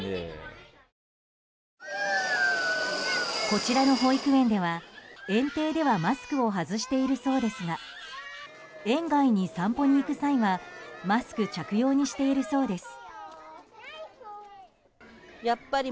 こちらの保育園では園庭ではマスクを外しているそうですが園外に散歩に行く際はマスク着用にしているそうです。